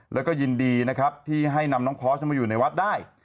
แล้วก็ยินดีนะครับที่ให้นำน้องพอร์สมาอยู่ในวัดได้